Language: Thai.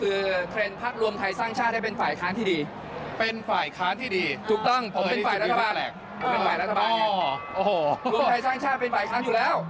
ลุงไทยสร้างชาติเป็นไหว้ครั้งอยู่แล้ว